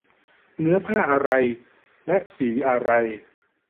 เนื้อผ้าอะไร และสีอะไร